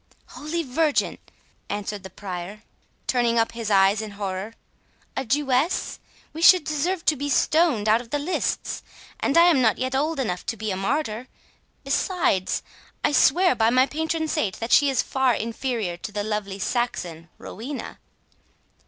"Holy Virgin," answered the Prior, turning up his eyes in horror, "a Jewess!—We should deserve to be stoned out of the lists; and I am not yet old enough to be a martyr. Besides, I swear by my patron saint, that she is far inferior to the lovely Saxon, Rowena."